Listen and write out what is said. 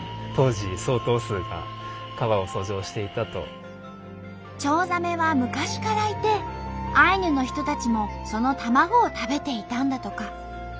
伝記でチョウザメは昔からいてアイヌの人たちもその卵を食べていたんだとか。